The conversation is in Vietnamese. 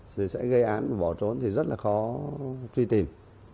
thì sẽ gây án vỏ trốn thì rất là khó truy tìm